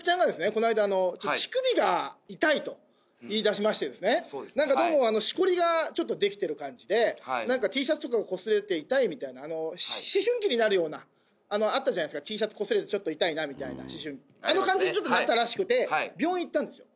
こないだ乳首が痛いと言いだしましてそうですはいどうもしこりがちょっとできてる感じでなんかＴシャツとかがこすれて痛いみたいな思春期になるようなあったじゃないですかＴシャツこすれてちょっと痛いなみたいなあの感じにちょっとなったらしくて病院行ったんですよ